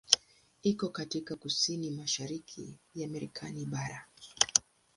Iko katika kusini-mashariki ya Marekani bara.